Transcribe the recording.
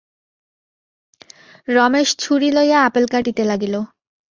রমেশ ছুরি লইয়া আপেল কাটিতে লাগিল।